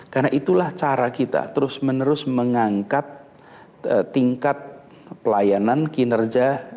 karena itulah cara kita terus menerus mengangkat tingkat pelayanan kinerja